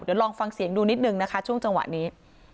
เดี๋ยวลองฟังเสียงดูนิดนึงนะคะช่วงจังหวะนี้